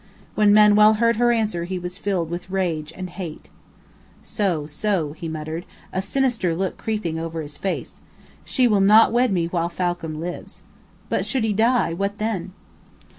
When Manuel heard her answer he was filled with rage and hate. "So so," he muttered, a sinister look creeping over his face, "she will not wed me while Falcam lives. But should he die what then?"